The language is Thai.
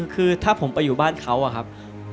คือถ้าผมไปอยู่บ้านเขาอะครับ